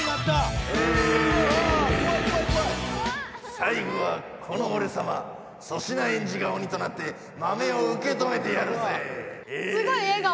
さいごはこのおれさま粗品エンジが鬼となって豆をうけ止めてやるぜ！すごいえがお！